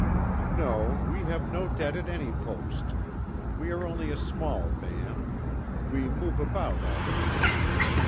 "No. We have no debt at any post. We are only a small band. We move about all the time.